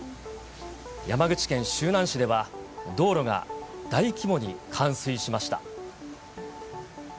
山口県周南市では、道路が大規模に冠水しました。